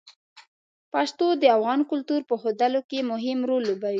پښتو د افغان کلتور په ښودلو کې مهم رول لوبوي.